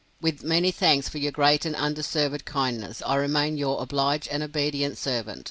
With many thanks for your great and undeserved kindness, I remain your obliged and obedient servant.